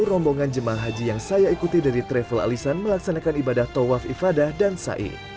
rombongan jemaah haji yang saya ikuti dari travel alisan melaksanakan ibadah tawaf ibadah dan ⁇ sai ⁇